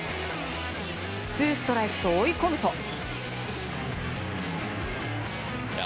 ツーストライクと追い込むと。